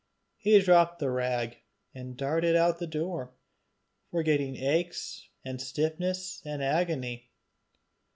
He dropped the rag, and darted out of the door, forgetting aches and stiffness and agony.